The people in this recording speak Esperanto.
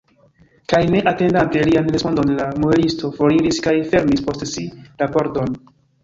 Kaj ne atendante lian respondon, la muelisto foriris kaj fermis post si la pordon.